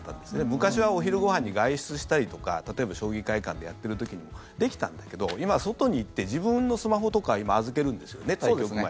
昔はお昼ご飯に外出したりとか例えば、将棋会館でやってる時にできたんだけど今は外に行って自分のスマホとか預けるんですよね、対局前。